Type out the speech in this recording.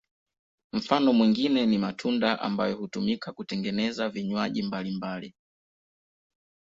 Mfano mwingine ni matunda ambayo hutumika kutengeneza vinywaji mbalimbali.